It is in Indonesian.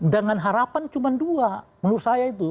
dengan harapan cuma dua menurut saya itu